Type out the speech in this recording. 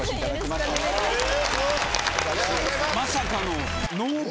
まさかの。